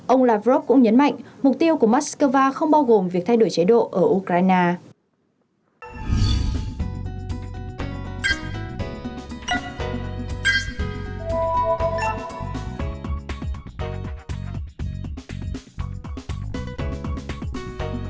ông lavrov cũng nhấn mạnh mục tiêu của moscow không bao gồm việc thay đổi chế độ ở ukraine